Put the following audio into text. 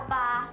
nama saya kevin